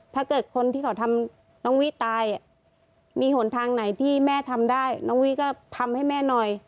ถ้าเกิดคนที่เขาทำน้องวิตายมีหนทางไหนที่แม่ทำได้น้องวิก็ทำให้แม่หน่อย